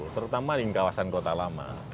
terutama di kawasan kota lama